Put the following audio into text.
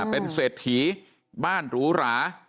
เป็นเศรษฐีบ้านหรูหรา